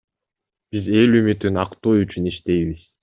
Биз эл үмүтүн актоо үчүн иштейбиз.